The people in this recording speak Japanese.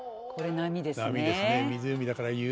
波ですね。